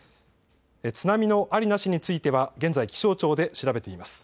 津波のありなしについては現在、気象庁で調べています。